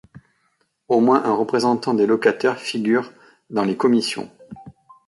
Au moins un représentant des locataires figure dans les commissions.